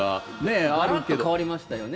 がらっと変わりましたよね。